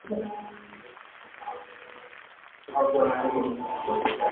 其余的外景则摄于威尔斯千禧中心和一间空置的玻璃工厂。